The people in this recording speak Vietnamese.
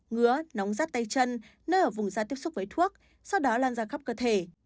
ngứa nóng rắt tay chân nơi ở vùng da tiếp xúc với thuốc sau đó lan ra khắp cơ thể